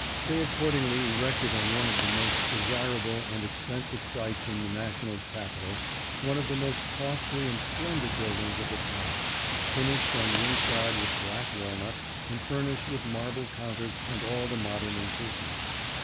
They accordingly erected on one of the most desirable and expensive sites in the national capital, one of the most costly and splendid build ings of the time, finished on the inside with black walnut and furnished with marble counters and all the modern improvements.